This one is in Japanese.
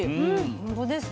ほんとですね。